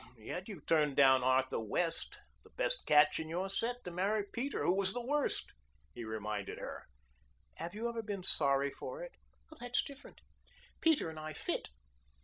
"Yet you turned down Arthur West, the best catch in your set, to marry Peter, who was the worst," he reminded her. "Have you ever been sorry for it?" "That's different. Peter and I fit.